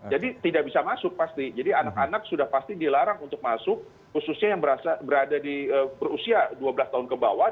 tidak bisa masuk pasti jadi anak anak sudah pasti dilarang untuk masuk khususnya yang berada di berusia dua belas tahun ke bawah